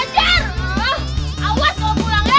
aduh aduh aduh